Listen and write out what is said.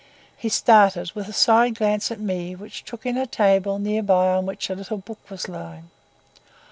He started, with a side glance at me which took in a table near by on which a little book was lying.